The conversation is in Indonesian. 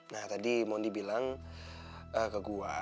nah tadi mondi bilang ke gua